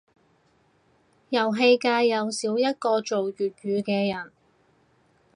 遊戲界又少一個做粵語嘅人